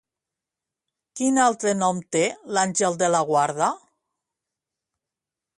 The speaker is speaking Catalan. Quin altre nom té l'àngel de la guarda?